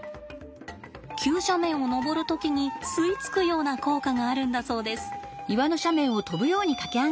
急斜面を登る時に吸い付くような効果があるんだそうです。